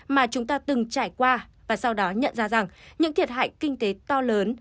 mà chúng ta từng trải qua và sau đó nhận ra rằng những thiệt hại kinh tế to lớn